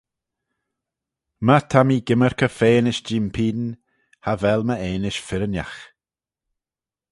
My ta mee gymmyrkey feanish jee'm pene, cha vel my eanish firrinagh.